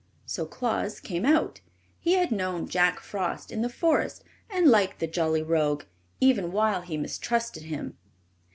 So Claus came out. He had known Jack Frost in the Forest, and liked the jolly rogue, even while he mistrusted him.